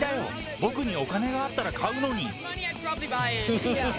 僕にお金があったら買うのに。